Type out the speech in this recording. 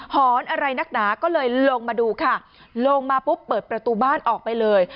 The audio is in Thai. หอนอะไรนักหนาก็เลยลงมาดูค่ะลงมาปุ๊บเปิดประตูบ้านออกไปเลย